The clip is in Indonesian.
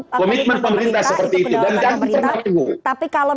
komitmen pemerintah seperti itu